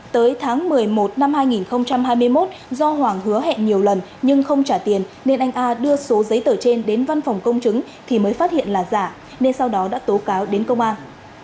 tới tháng một mươi một năm hai nghìn hai mươi một do hoàng hứa hẹn nhiều lần nhưng không trả tiền nên anh a đưa số giấy tờ trên đến văn phòng công chứng thì mới phát hiện là giả nên sau đó đã tố cáo đến công an